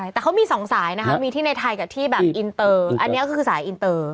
แต่เขามีสองสายนะคะมีที่ในไทยกับที่แบบอินเตอร์อันนี้ก็คือสายอินเตอร์